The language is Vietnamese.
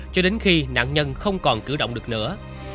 cho đến khi nạn nhân không còn cử động được nữa